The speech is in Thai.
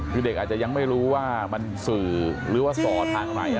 คือเด็กอาจจะยังไม่รู้ว่ามันสื่อหรือว่าส่อทางอะไร